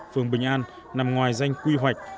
phường bình an nằm ngoài danh quy hoạch